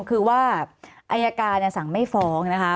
คือว่าอายการสั่งไม่ฟ้องนะคะ